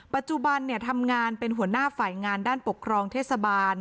ปัจจุบันทำงานเป็นหัวหน้าฝ่ายงานด้านปกครองเทศบาล